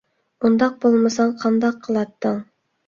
ئۇنداق بولمىساڭ قانداق قىلاتتىڭ؟